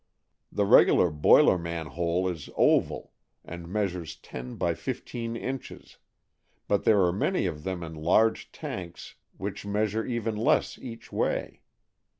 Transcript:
The regular boiler man hole is oval, and measures ten by fifteen inches, but there are many of them in large tanks which measure even less each way.